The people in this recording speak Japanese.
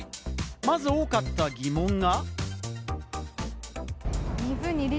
まず多かった疑問が。